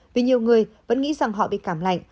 vì nhiều người vẫn nghĩ rằng họ bị cảm lạnh